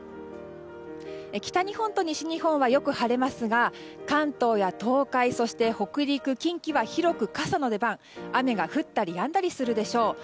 北日本と西日本はよく晴れますが関東や東海そして北陸、近畿は広く傘の出番で、雨が降ったりやんだりするでしょう。